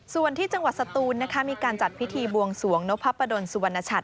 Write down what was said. ส่วนที่จังหวัดสตูนนะคะมีการจัดพิธีบวงสวงนพประดนสุวรรณชัต